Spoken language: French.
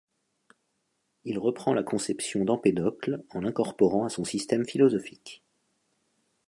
Il reprend la conception d'Empédocle, en l'incorporant à son système philosophique.